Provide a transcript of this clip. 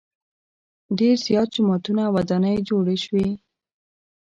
ډېر زیات جوماتونه او ودانۍ جوړې شوې.